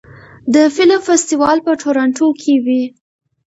د فلم فستیوال په تورنټو کې وي.